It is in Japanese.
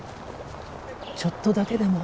ちょっとだけでも。